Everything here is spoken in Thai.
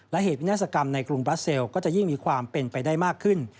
และเหตุวินาศกรรมในกรุงบราเซลก็จะยิ่งมีความเป็นไปได้มากขึ้น